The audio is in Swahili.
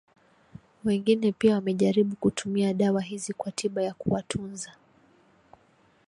Wengine pia wamejaribu kutumia dawa hizi kwa tiba ya kuwatunza